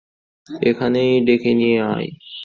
এইখানেই ডেকে নিয়ে আয়।